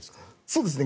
そうですね。